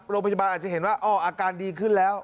โรงพยาบาลอาจจะเห็นว่าอาการดีขึ้นแล้ว